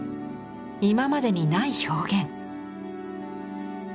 今までにない表現。